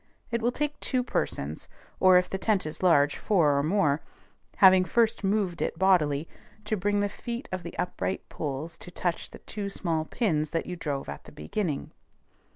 It will take two persons, or, if the tent is large, four or more, having first moved it bodily, to bring the feet of the upright poles to touch the two small pins that you drove at the beginning.